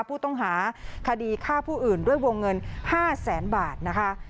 ผู้ต้องหาคดีฆ่าผู้อื่นด้วยวงเงิน๕แสนบาทนะคะ